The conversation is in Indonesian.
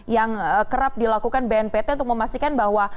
yang kerap dilakukan bnpt untuk memastikan bahwa